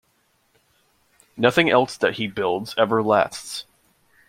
Nothing else that he builds ever lasts.